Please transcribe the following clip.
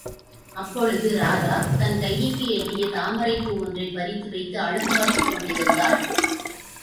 அப்பொழுது ராதா தன் கைக்கெட்டிய தாமரைப் பூ ஒன்றைப் பறித்து வைத்து அழகு பார்த்துக் கொண்டிருந்தாள்.